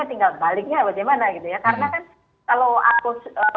ini yang sekarang harus